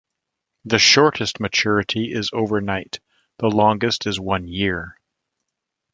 The shortest maturity is overnight, the longest is one year.